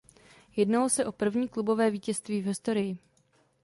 Jednalo se o první klubové vítězství v historii.